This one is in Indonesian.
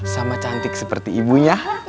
sama cantik seperti ibunya